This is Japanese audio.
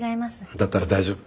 だったら大丈夫。